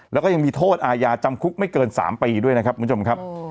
แล้วก็ยังมีโทษอายาจำคุกไม่เกิน๓ปีด้วยนะครับ